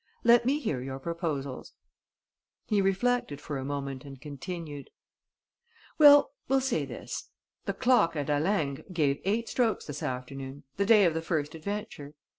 "Let me hear your proposals." He reflected for a moment and continued: "Well, we'll say this. The clock at Halingre gave eight strokes this afternoon, the day of the first adventure.